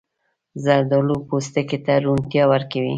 زردالو پوستکي ته روڼتیا ورکوي.